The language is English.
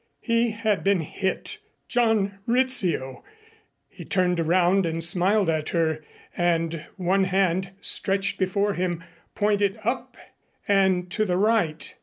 He had been hit! John Rizzio! He turned around and smiled at her and one hand, stretched before him, pointed up and to the right.